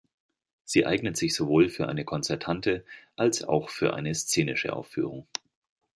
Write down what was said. Sie eignet sich sowohl für eine konzertante als auch für eine szenische Aufführung.